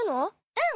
うん。